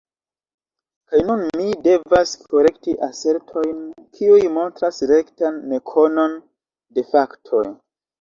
Kaj nun mi devas korekti asertojn, kiuj montras rektan nekonon de faktoj.